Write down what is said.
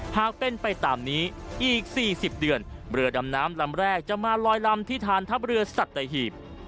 หากเป็นไปตามนี้อีก๔๐เดือนเรือดำน้ำลำแรกจะมาลอยลำที่ฐานทัพเรือสัตหีบ